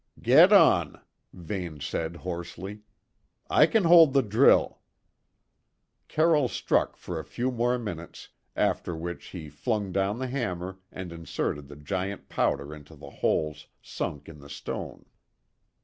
"Get on," Vane said hoarsely. "I can hold the drill." Carroll struck for a few more minutes, after which he flung down the hammer and inserted the giant powder into the holes sunk in the stone.